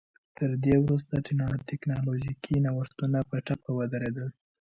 تر دې وروسته ټکنالوژیکي نوښتونه په ټپه ودرېدل